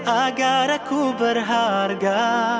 agar aku berharga